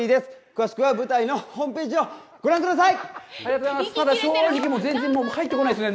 詳しくは舞台のホームページをご覧ください！